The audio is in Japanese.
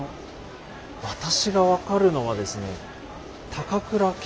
私が分かるのはですね